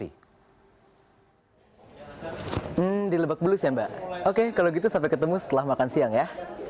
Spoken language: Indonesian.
hmm dilebak bulus ya mbak oke kalau gitu sampai ketemu setelah makan siang ya